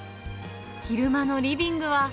昼間のリビングは。